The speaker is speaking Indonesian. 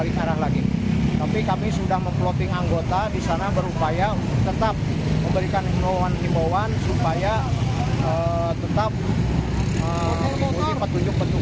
lingkungan pros deskripsi dihallowan ke